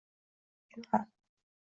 Aynan shu uchun ham